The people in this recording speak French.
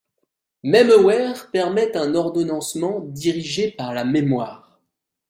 MemAware permet un ordonnancement dirigé par la mémoire.